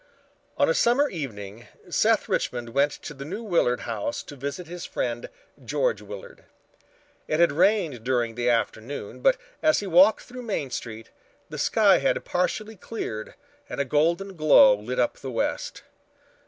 On a summer evening Seth Richmond went to the New Willard House to visit his friend, George Willard. It had rained during the afternoon, but as he walked through Main Street, the sky had partially cleared and a golden glow lit up the west.